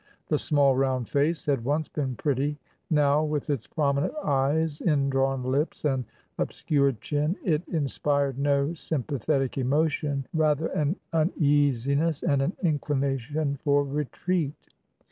The small, round face had once been pretty; now, with its prominent eyes, in drawn lips, and obscured chin, it inspired no sympathetic emotion, rather an uneasiness and an inclination for retreat.